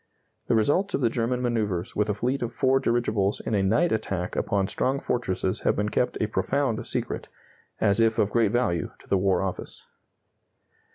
The results of the German manœuvres with a fleet of four dirigibles in a night attack upon strong fortresses have been kept a profound secret, as if of great value to the War Office.